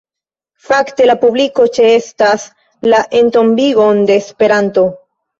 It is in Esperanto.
Fakte la publiko ĉeestas la entombigon de Esperanto.